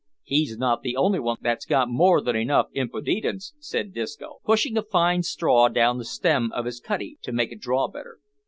"He's not the only one that's got more than enough impoodidence," said Disco, pushing a fine straw down the stem of his "cutty," to make it draw better.